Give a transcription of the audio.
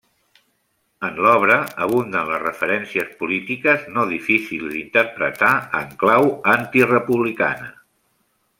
En l'obra abunden les referències polítiques no difícils d'interpretar en clau antirepublicana.